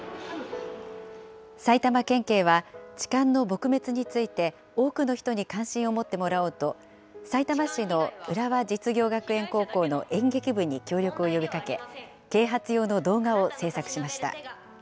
埼玉県警は、痴漢の撲滅について、多くの人に関心を持ってもらおうと、さいたま市の浦和実業学園高校の演劇部に協力を呼びかけ、啓発用の動画を制作しました。